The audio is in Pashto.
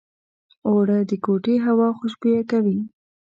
اوړه د کوټې هوا خوشبویه کوي